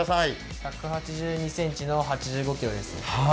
１８２ｃｍの８５ｋｇです。